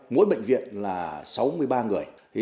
mỗi bệnh viện là sáu mươi ba người